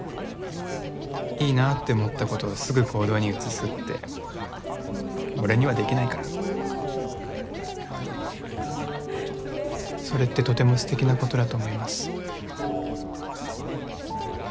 いいなって思ったことをすぐ行動に移すって俺にはできないからそれってとてもステキなことだと思います